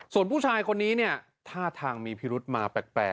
ส่วนผู้ชายคนนี้เนี่ยท่าทางมีพิรุธมาแปลก